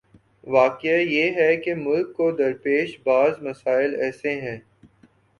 واقعہ یہ ہے کہ ملک کو درپیش بعض مسائل ایسے ہیں۔